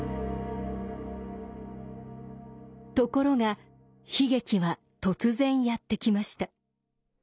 ところが悲劇は突然やって来ました。